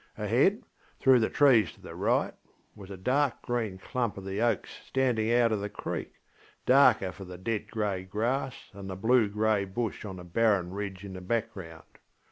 Ahead, through the trees to the right, was a dark green clump of the oaks standing out of the creek, darker for the dead grey grass and blue grey bush on the barren ridge in the background.